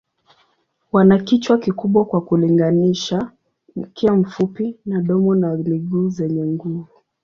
Wana kichwa kikubwa kwa kulinganisha, mkia mfupi na domo na miguu zenye nguvu.